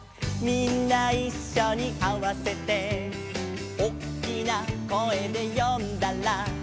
「みんないっしょにあわせて」「おっきな声で呼んだら」